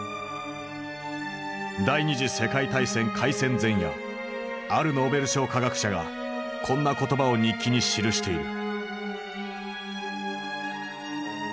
第二次世界大戦開戦前夜あるノーベル賞科学者がこんな言葉を日記に記している。